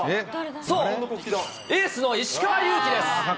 そう、エースの石川祐希です。